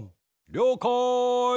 りょうかい！